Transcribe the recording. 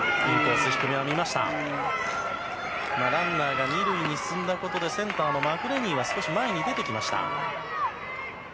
ランナーが２塁に進んだことでセンターのマクレニーは少し前に出てきました。